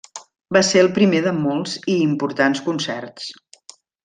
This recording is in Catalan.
Va ser el primer de molts i importants concerts.